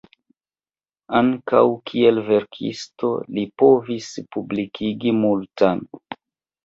Ankaŭ kiel verkisto li povis publikigi multan.